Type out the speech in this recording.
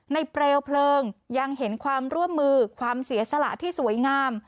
เปลวเพลิงยังเห็นความร่วมมือความเสียสละที่สวยงาม